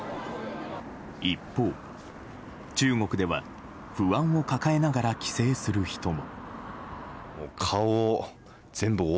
一方、中国では不安を抱えながら帰省する人も。